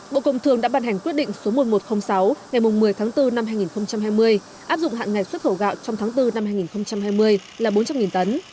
bộ công thường đã bàn hành quyết định số một nghìn một trăm linh sáu ngày một mươi tháng bốn năm hai nghìn hai mươi áp dụng hạn ngày xuất khẩu gạo trong tháng bốn năm hai nghìn hai mươi là bốn trăm linh tấn